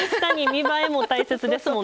見栄えも大切ですもんね。